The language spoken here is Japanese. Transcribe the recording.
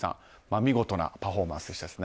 見事なパフォーマンスでしたね。